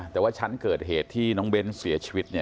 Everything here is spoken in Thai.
แต่ว่าชั้นเกิดเหตุที่น้องเบ้นเสียชีวิต